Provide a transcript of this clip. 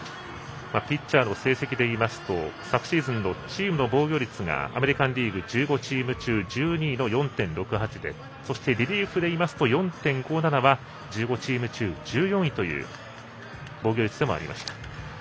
ピッチャーの成績でいうと昨シーズンのチームの防御率がアメリカンリーグ１５チーム中１２位の４．６８でリリーフでいいますと４．５７は１５チーム中１４位の防御率でもありました。